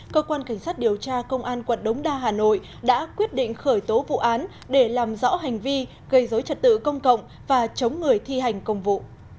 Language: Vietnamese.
cơ quan cảnh sát điều tra công an quận đống đa hà nội đã quyết định khởi tố vụ án để làm rõ hành vi gây dối trật tự công cộng và chống người thi hành công vụ